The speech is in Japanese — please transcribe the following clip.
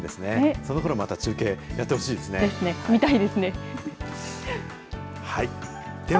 そのころまた中継、やってほしいです。